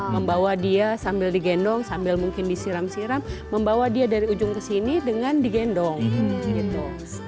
membawa dia sambil digendong sambil mungkin disiram siram membawa dia dari ujung ke sini dengan digendong gitu